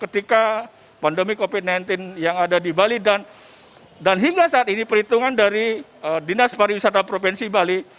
ketika pandemi covid sembilan belas yang ada di bali dan hingga saat ini perhitungan dari dinas pariwisata provinsi bali